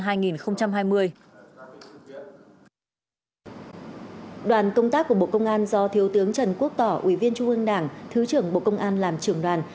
đoàn công tác của bộ công an do thiếu tướng trần quốc tỏ ủy viên trung ương đảng thứ trưởng bộ công an làm trưởng đoàn